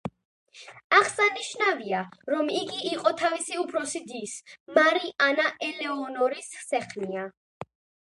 აღსანიშნავია, რომ იგი იყო თავისი უფროსი დის, მარი ანა ელეონორის სეხნია.